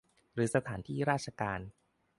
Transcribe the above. หรือสถานที่ราชการ